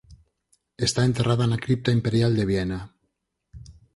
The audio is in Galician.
Está enterrada na Cripta Imperial de Viena.